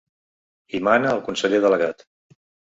Hi mana el conseller delegat.